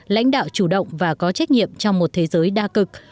lãnh đạo chủ động và có trách nhiệm trong một thế giới đa cực